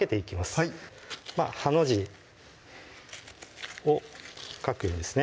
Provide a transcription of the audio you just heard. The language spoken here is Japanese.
はいハの字を書くようにですね